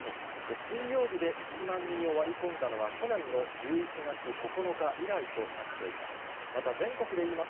水曜日で１万人を割り込んだのは、去年の１１月９日以来となっています。